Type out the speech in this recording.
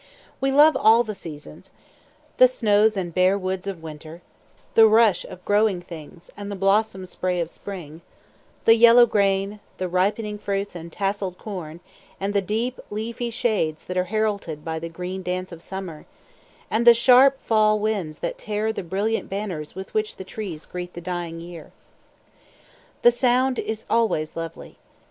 We love all the seasons; the snows and bare woods of winter; the rush of growing things and the blossom spray of spring; the yellow grain, the ripening fruits and tasseled corn, and the deep, leafy shades that are heralded by "the green dance of summer"; and the sharp fall winds that tear the brilliant banners with which the trees greet the dying year. The Sound is always lovely.